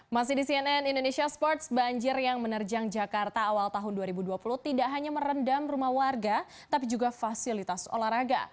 masih di cnn indonesia sports banjir yang menerjang jakarta awal tahun dua ribu dua puluh tidak hanya merendam rumah warga tapi juga fasilitas olahraga